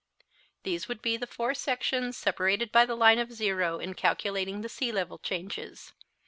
These would be the four sections, separated by the line of zero in calculating the sea level changes.